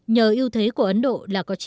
nhờ yêu thế của ấn độ là cochi